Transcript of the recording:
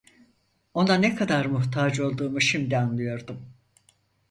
Ona ne kadar muhtaç olduğumu şimdi anlıyordum.